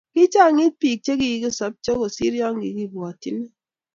kiichang'it biik che kiikusobcho kosir koyakikibwoti.